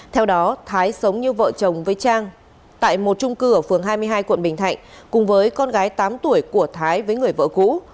theo đó thái sống như vợ chồng với trang tại một trung cư ở phường hai mươi hai quận bình thạnh cùng với con gái tám tuổi của thái với người vợ cũ